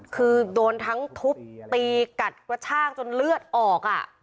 คือโดนทั้งทุบตีกัดกระชากจนเลือดออก